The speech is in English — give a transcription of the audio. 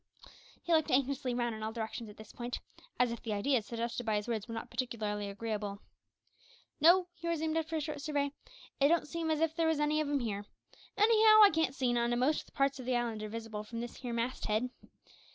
He looked anxiously round in all directions at this point, as if the ideas suggested by his words were not particularly agreeable. "No," he resumed, after a short survey, "it don't seem as if there was any of 'em here. Anyhow I can't see none, and most parts of the island are visible from this here mast head."